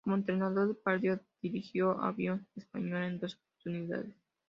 Como entrenador, Pardo dirigió a Unión Española en dos oportunidades.